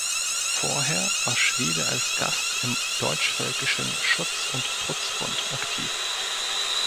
Vorher war Schwede als Gast im Deutschvölkischen Schutz- und Trutzbund aktiv.